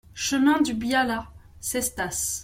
Chemin du Biala, Cestas